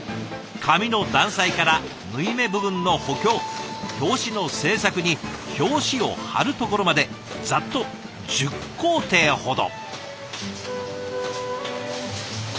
紙の断裁から縫い目部分の補強表紙の製作に表紙を貼るところまでざっと１０工程ほど。